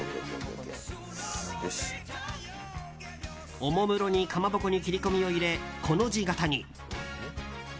おもむろにかまぼこに切り込みを入れ、コの字に。